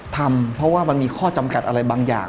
ทำเพราะว่ามันมีข้อจำกัดอะไรบางอย่าง